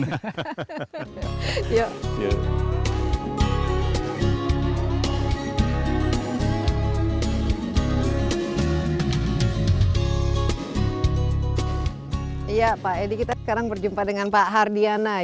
ya pak edi kita sekarang berjumpa dengan pak hardiana